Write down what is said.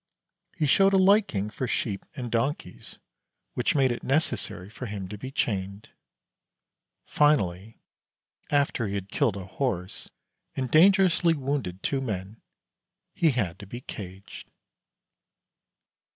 He showed a liking for sheep and donkeys, which made it necessary for him to be chained. Finally, after he had killed a horse and dangerously wounded two men he had to be caged.